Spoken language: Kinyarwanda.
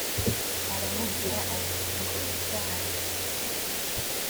aramubwira ati ngo uzahara